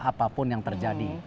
apapun yang terjadi